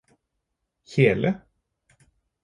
kjele